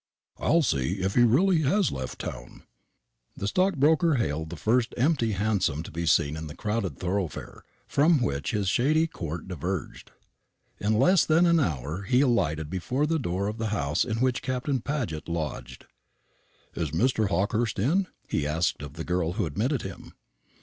"I'll see if he really has left town." The stockbroker hailed the first empty hansom to be seen in the crowded thoroughfare from which his shady court diverged. In less than an hour he alighted before the door of the house in which Captain Paget lodged. "Is Mr. Hawkehurst in?" he asked of the girl who admitted him.